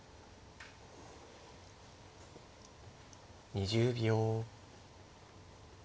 ２０秒。